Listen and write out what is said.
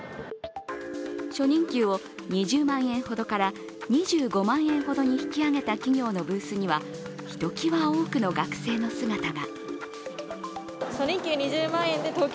初任給を２０万円ほどから２５万円ほどに引き上げた企業のブースにはひときわ多くの学生の姿が。